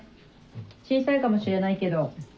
小さいかもしれないけど。